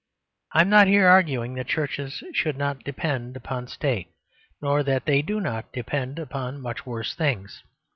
I am not here arguing that Churches should not depend on the State; nor that they do not depend upon much worse things.